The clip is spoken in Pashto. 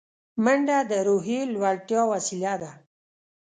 منډه د روحیې لوړتیا وسیله ده